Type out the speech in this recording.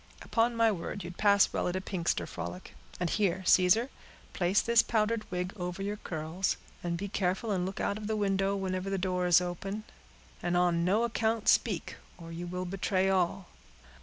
Upon my word, you'd pass well at a pinkster frolic; and here, Caesar, place this powdered wig over your curls, and be careful and look out of the window, whenever the door is open, and on no account speak, or you will betray all."